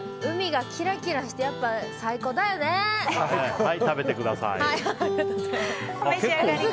海がキラキラしてやっぱ、最高だよね。